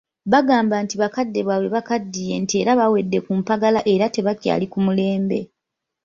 Bagamba nti bakadde baabwe bakaddiye nti era bawedde ku mpagala era tebakyali ku mulembe.